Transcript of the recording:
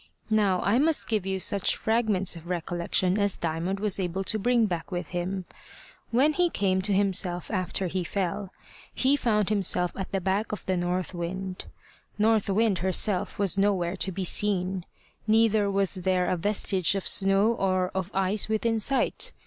Now I must give you such fragments of recollection as Diamond was able to bring back with him. When he came to himself after he fell, he found himself at the back of the north wind. North Wind herself was nowhere to be seen. Neither was there a vestige of snow or of ice within sight.